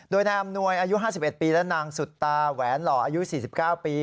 โดยนายอำนวยอายุ๕๑ปีและนางสุดตาแหวนหล่ออายุ๔๙ปี